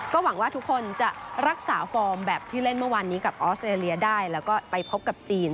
หวังว่าทุกคนจะรักษาฟอร์มแบบที่เล่นเมื่อวานนี้กับออสเตรเลียได้แล้วก็ไปพบกับจีน